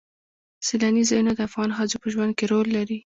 سیلاني ځایونه د افغان ښځو په ژوند کې رول لري.